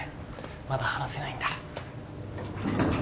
まだ話せないんだ。